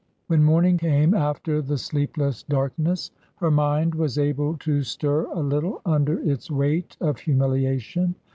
When morning came after the sleepless darkness, her 284 TRANSITION. mind was able to stir a little under its weight of humili ation.